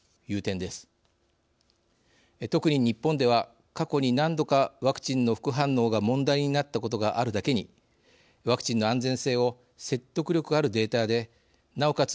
特に日本では過去に何度かワクチンの副反応が問題になったことがあるだけにワクチンの安全性を説得力あるデータでなおかつ